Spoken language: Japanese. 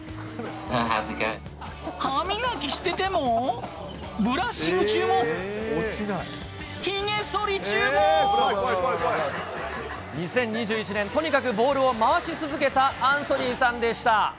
歯磨きしてても、ブラッシング中も、２０２１年、とにかくボールを回し続けたアンソニーさんでした。